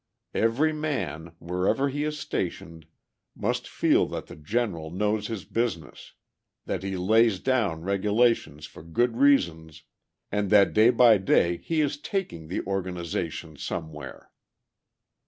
Every man, wherever he is stationed, must feel that the general knows his business, that he lays down regulations for good reasons, and that day by day he is taking the organization somewhere.